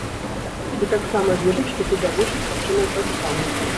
І таксама ведаць, што ты даеш адпачынак бацькам.